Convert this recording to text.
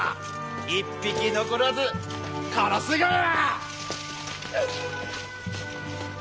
一匹残らず殺すがや！